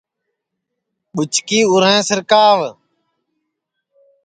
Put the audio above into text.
ٻُچکی اُرینٚھ سِرکاوَ